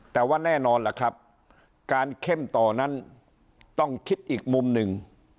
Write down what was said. แต่ว่าแน่นอนล่ะครับการเข้มต่อนั้นต้องคิดอีกมุมหนึ่ง